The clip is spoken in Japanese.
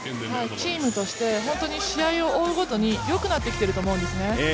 チームとして本当に試合を追うごとによくなってきていると思うんですね。